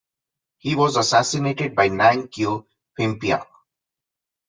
He was assassinated by Nang Keo Phimpha.